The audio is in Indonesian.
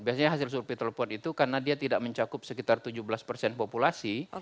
biasanya hasil survei telepon itu karena dia tidak mencakup sekitar tujuh belas persen populasi